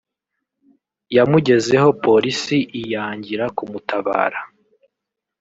yamugezeho Polisi iyangira kumutabara